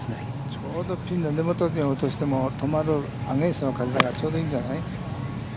ちょうどピンの根元に落としても止まる、アゲインストの風だから、ちょうどいいんじゃない？